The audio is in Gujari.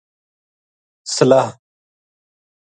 صلاح “